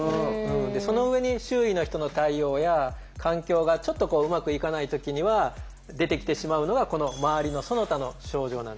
その上に周囲の人の対応や環境がちょっとうまくいかない時には出てきてしまうのがこの周りのその他の症状なんです。